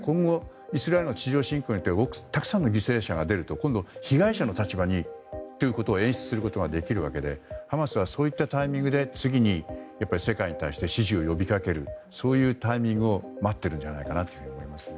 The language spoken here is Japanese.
今後、地上侵攻によってたくさんの被害者が出ると今度は被害者の立場を演出することができるわけでハマスはそういったタイミングで次に世界に対して支持を呼びかけるタイミングを待ってるんじゃないかなと思います。